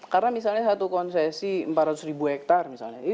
karena misalnya satu konsesi empat ratus ribu hektar misalnya